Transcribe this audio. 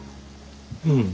うん。